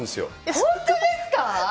本当ですか？